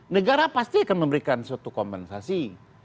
negara pasti akan memberikan suatu kompensasi